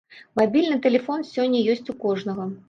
Мабільны тэлефон сёння ёсць у кожнага.